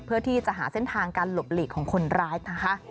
เพื่อที่จะหาเส้นทางการหลบหลีกของคนร้ายนะคะ